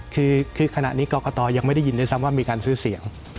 คือขณะนี้กรกตยังไม่ได้ยินด้วยซ้ำว่ามีการซื้อเสียง